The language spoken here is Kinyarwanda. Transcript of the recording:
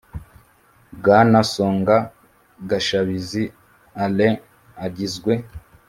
bwana songa gashabizi alain agizwe